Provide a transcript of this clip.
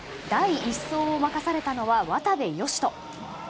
第１走を任されたのは渡部善斗。